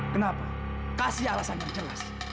kenapa kasih alasan yang jelas